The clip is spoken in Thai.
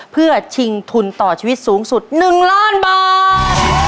เพื่อชิงทุนต่อชีวิตสูงสุด๑ล้านบาท